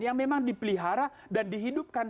yang memang dipelihara dan dihidupkan